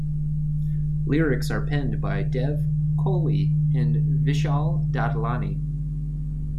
Lyrics are penned by Dev Kohli and Vishal Dadlani.